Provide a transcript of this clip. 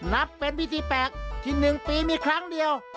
นับเป็นพิธีแปลกที่๑ปีมีครั้งเดียว